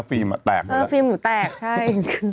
แตกแล้วแหละเออฟิล์มหนูแตกใช่